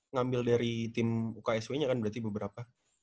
ngambil dari tim uksw nya kan berarti beberapa